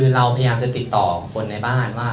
เราพยายามจะติดต่อคนในบ้านว่า